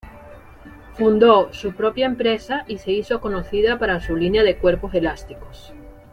Fundó su propia empresa y se hizo conocida para su línea de cuerpos elásticos.